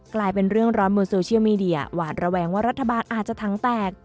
กลายเป็นเรื่องร้อนบนโซเชียลมีเดียหวาดระแวงว่ารัฐบาลอาจจะถังแตก